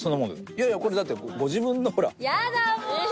いやいやこれだってご自分のほら。